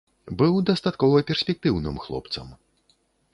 Быў дастаткова перспектыўным хлопцам.